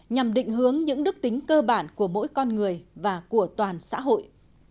nhằm định hướng những đức tính cơ bản của mỗi con người và của toàn xã hội